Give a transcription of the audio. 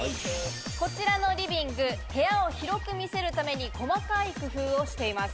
こちらのリビング、部屋を広く見せるために細かい工夫をしています。